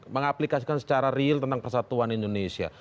mengaplikasikan secara real tentang persatuan indonesia